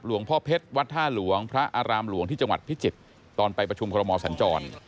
พ่อเพชรวัดท่าหลวงพระอารามหลวงที่จังหวัดพิจิตรตอนไปประชุมคอรมอสัญจร